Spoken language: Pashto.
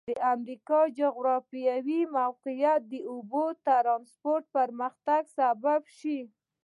د امریکا جغرافیایي موقعیت د اوبو ترانسپورت پرمختګ سبب شوی.